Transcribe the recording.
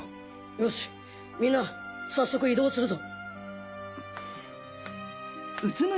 よしみんな早速移動するぞ。